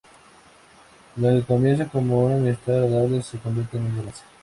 Lo que comienza como una amistad agradable se convierte en un romance.